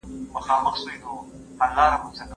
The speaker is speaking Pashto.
«د جمهوریت په وخت کي د ایران جاسوسان په وزارتونو کي